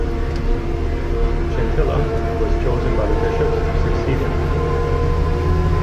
Chintila was chosen by the bishops to succeed him.